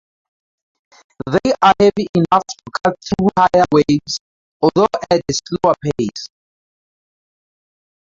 They are heavy enough to cut through higher waves, although at a slower pace.